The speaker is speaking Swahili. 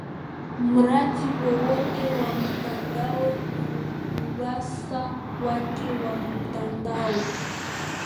mradi wowote wa mtandao ni ukurasa wake wa mtandao